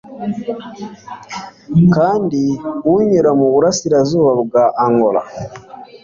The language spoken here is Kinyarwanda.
kandi unyura mu burasirazuba bwa angola